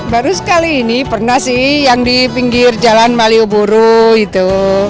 baru sekali ini pernah sih yang di pinggir jalan malioboro itu